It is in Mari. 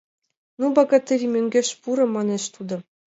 — Ну, богатырь, мӧҥгеш пуро, — манеш тудо.